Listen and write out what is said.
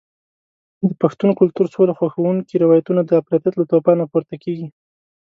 د پښتون کلتور سوله خوښونکي روایتونه د افراطیت له توپانه پورته کېږي.